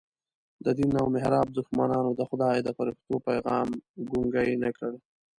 د دین او محراب دښمنانو د خدای د فرښتو پیغام ګونګی نه کړ.